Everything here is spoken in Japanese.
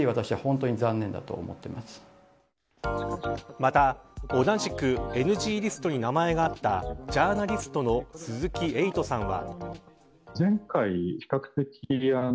また、同じくＮＧリストに名前があったジャーナリストの鈴木エイトさんは。